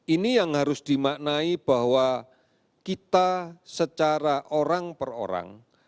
ini yang harus dimaknai bahwa kita secara orang per orang